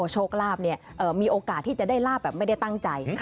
โชคลาภมีโอกาสที่จะได้ลาบแบบไม่ได้ตั้งใจ